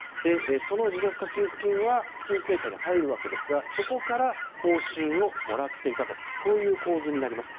その持続化給付金は申請者に入るわけですがそこから報酬をもらっていたという構図になります。